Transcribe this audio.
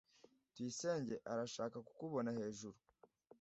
Tuyisenge arashaka kukubona hejuru.